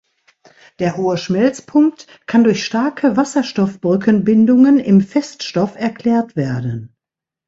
Der hohe Schmelzpunkt kann durch starke Wasserstoffbrückenbindungen im Feststoff erklärt werden.